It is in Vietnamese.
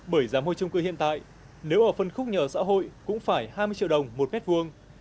bởi giá mua chung cư hiện tại nếu ở phân khúc nhà ở xã hội cũng phải hai mươi triệu đồng một mét vuông